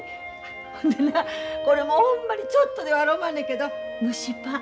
ほんでなこれほんまにちょっとで悪おまんねんけど蒸しパン。